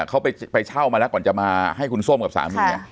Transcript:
เขาไปเช่ามาแล้วก่อนจะมาให้คุณส้มกับสามี